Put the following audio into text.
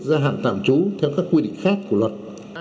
gia hạn tạm trú theo các quy định khác của luật